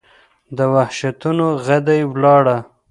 د وحشتونو ، غدۍ وَلاړه